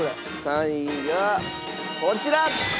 ３位がこちら！